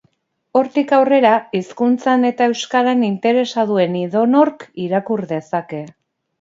Hortik aurrera, hizkuntzan eta euskaran interesa duen edonork irakur dezake.